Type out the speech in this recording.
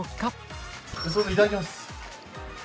いただきます！